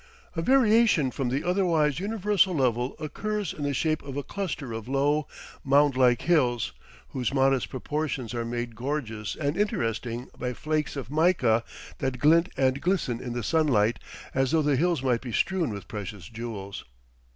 A variation from the otherwise universal level occurs in the shape of a cluster of low, mound like hills, whose modest proportions are made gorgeous and interesting by flakes of mica that glint and glisten in the sunlight as though the hills might be strewn with precious jewels.